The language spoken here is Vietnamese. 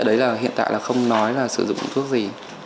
đấy là hiện tại là không nói là sử dụng thuốc gì